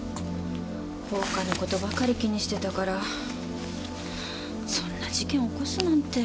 放火の事ばかり気にしてたからそんな事件起こすなんて。